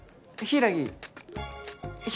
柊？